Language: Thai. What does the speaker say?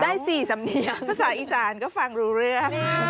ได้๔สำเนียงภาษาอีสานก็ฟังรู้เรื่อง